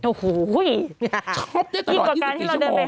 โอ้โหช็อปได้ตลอด๒๔ชั่วโมง